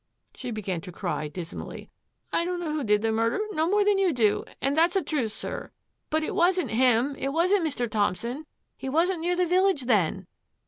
" She began to cry dismally. " I don't know who did the murder no more than you do, and that's the truth, sir. But it wasn't him^ it wasn't Mr. Thompson ; he wasn't near the village then."